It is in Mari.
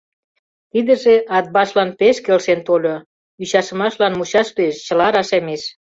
Тидыже Атбашлан пеш келшен тольо: ӱчашымашлан мучаш лиеш, чыла рашемеш.